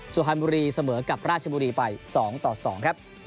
สุพรรณบุรีเสมอกับราชบุรีไป๒ต่อ๒ครับ